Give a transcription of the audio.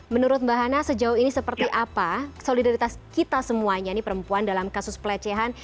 menurut mbak hana sejauh ini seperti apa solidaritas kita semuanya nih perempuan dalam kasus pelecehan